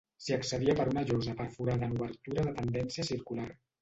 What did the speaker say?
S'hi accedia per una llosa perforada en obertura de tendència circular.